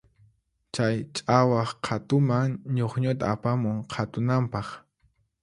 Chay ch'awaq qhatuman ñukñuta apamun qhatunanpaq.